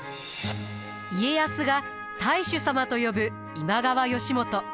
家康が太守様と呼ぶ今川義元。